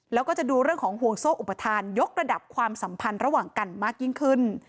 แล้วก็จะดูเรื่องของห่วงโซ่อุปทานยกระดับความสัมพันธ์ระหว่างกันมากยิ่งขึ้น